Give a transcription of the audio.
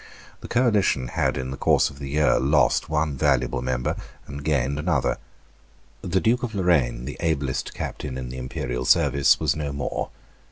The coalition had in the course of the year lost one valuable member and gained another. The Duke of Lorraine, the ablest captain in the Imperial service, was no more.